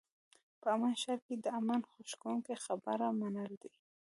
په امن ښار کې د امن خوښوونکو خبره منل دي.